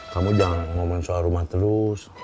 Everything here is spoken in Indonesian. kamu jangan ngomongin soal rumah terus